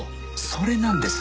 それなんです。